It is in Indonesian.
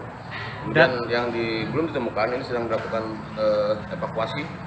kemudian yang belum ditemukan ini sedang dilakukan evakuasi